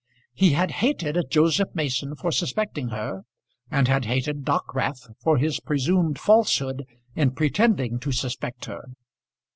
He had hated Joseph Mason for suspecting her, and had hated Dockwrath for his presumed falsehood in pretending to suspect her.